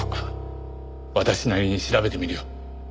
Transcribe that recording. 私なりに調べてみるよ。